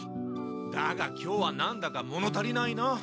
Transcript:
だが今日は何だか物足りないな。